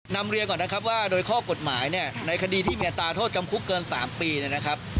นำเรียนก่อนนะครับว่าโดยข้อกฎหมายเนี่ยในคดีที่มีอัตราโทษจำคุกเกิน๓ปีเนี่ยนะครับ